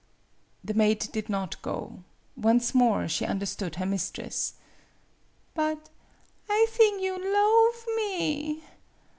The maid did not go. Once more she understood her mistress. "ButI thing you loave me?